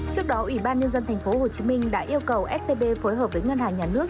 trước đó ủy ban nhân dân tp hcm đã yêu cầu scb phối hợp với ngân hàng nhà nước